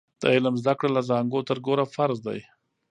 د علم زده کړه له زانګو تر ګوره فرض دی.